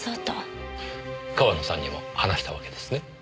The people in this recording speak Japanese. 川野さんにも話したわけですね？